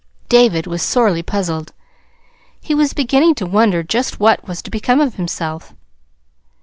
David was sorely puzzled. He was beginning to wonder just what was to become of himself.